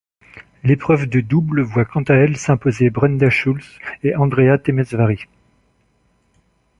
L'épreuve de double voit quant à elle s'imposer Brenda Schultz et Andrea Temesvári.